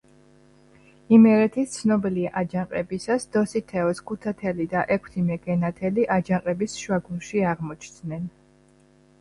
იმერეთის ცნობილი აჯანყებისას, დოსითეოს ქუთათელი და ექვთიმე გენათელი, აჯანყების შუაგულში აღმოჩნდნენ.